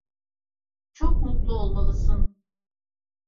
Çok mutlu olmalısın.